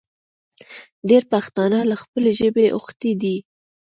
ډېر پښتانه له خپلې ژبې اوښتې دي